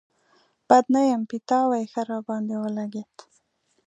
بد نه يم، پيتاوی ښه راباندې ولګېد.